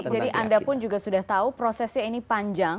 jadi anda pun sudah tahu prosesnya ini panjang